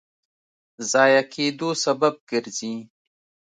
ضایع کېدو سبب ګرځي.